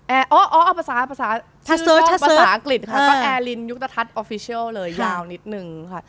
จะให้พูดภาษาอังกฤษค่ะแอร์ลินยุคตะทัศน์ออฟฟิเชียลเลยยาวนิดนึงค่ะ